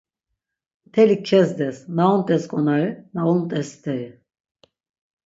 Mtelik kezdes, na unt̆es ǩonari, na unt̆es steri...